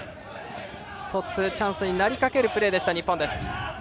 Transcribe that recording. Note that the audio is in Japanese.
１つチャンスになりかけるプレーでした、日本。